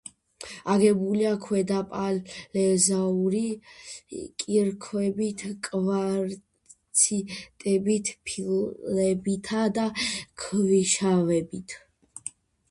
აგებულია ქვედაპალეოზოური კირქვებით, კვარციტებით, ფიქლებითა და ქვიშაქვებით.